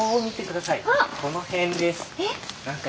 この辺です。